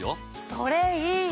それいい！